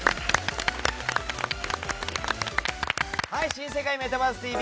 「新世界メタバースＴＶ！！」。